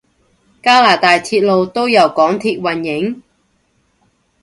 加拿大鐵路都由港鐵營運？